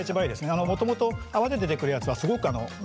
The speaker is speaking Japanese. もともと泡で出てくるやつはすごくあの目が。